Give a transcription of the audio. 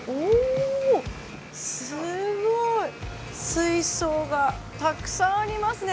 水槽がたくさんありますね。